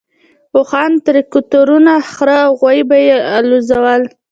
اوښان، تراکتورونه، خره او غوایي به یې الوزول.